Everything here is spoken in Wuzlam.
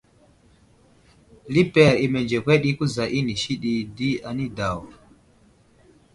Liper i mənzekwed i kuza inisi ɗi di anidaw.